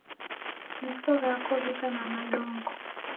Meso ghako gheka na madongo